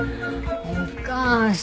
お義母さん